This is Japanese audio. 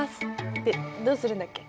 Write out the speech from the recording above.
でどうするんだっけ？